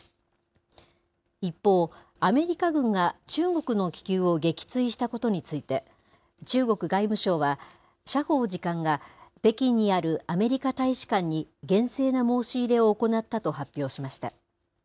一方、アメリカ軍が中国の気球を撃墜したことについて、中国外務省は、謝鋒次官が北京にあるアメリカ大使館に厳正な申し入れを行ったと発表しました。